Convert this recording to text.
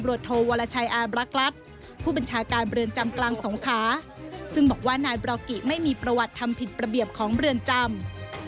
ทับรวจโทวัลชัยอาร์บลักษณ์พูดปัญชาการเบลืองจำกลางสองค้าซึ่งบอกว่านายบรอกิไม่มีประวัติทำผิดประเบียบของเบลืองจำ